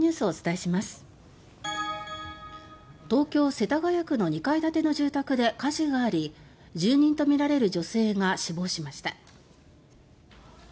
東京・世田谷区の２階建ての住宅で火事があり住人とみられる女性が死亡しました。